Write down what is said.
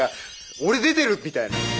俺出てる！みたいな。